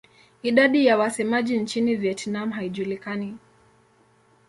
Idadi ya wasemaji nchini Vietnam haijulikani.